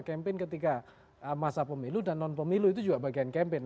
campaign ketika masa pemilu dan non pemilu itu juga bagian campaign